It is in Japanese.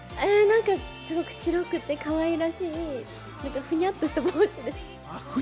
白くてかわいらしい、ふにゃっとしたポーチです。